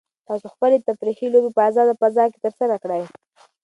تاسو خپلې تفریحي لوبې په ازاده فضا کې ترسره کړئ.